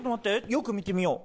よく見てみよう。